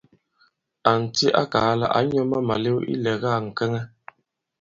Ànti a kàa lā ǎ nyɔ̄ àma màlew ilɛ̀ga ŋ̀kɛŋɛ.